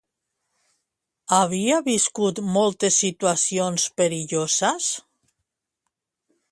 Havia viscut moltes situacions perilloses?